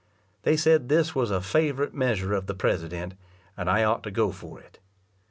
They said this was a favourite measure of the president, and I ought to go for it.